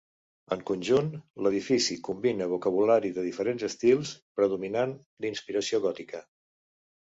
En conjunt, l'edifici combina vocabulari de diferents estils, predominant d'inspiració gòtica.